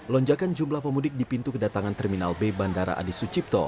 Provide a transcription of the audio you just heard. lonjakan jumlah pemudik di pintu kedatangan terminal b bandara adi sucipto